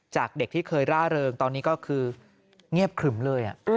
จากเด็กที่เคยร่าเริงตอนนี้ก็คือเงียบขึมเลย